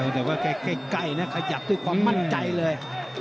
แต่ว่าแค่ใกล้นะขยับด้วยความมั่นใจเลย